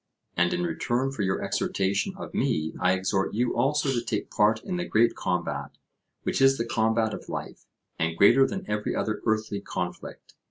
And, in return for your exhortation of me, I exhort you also to take part in the great combat, which is the combat of life, and greater than every other earthly conflict.